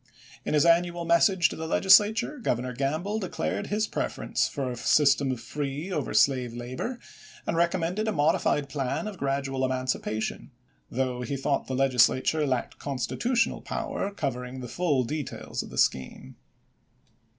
In his annual message to the Legislature, Governor G amble declared his prefer ence for a system of free over slave labor, and recommended a modified plan of gradual emanci pation ; though he thought that the Legislature lacked constitutional power covering the full de tails of the scheme.